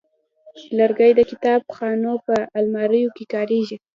لرګی د کتابخانو په الماریو کې کارېږي.